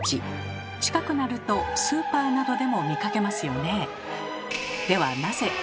近くなるとスーパーなどでも見かけますよねえ。